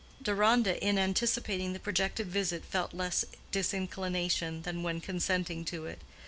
Deronda, in anticipating the projected visit, felt less disinclination than when consenting to it.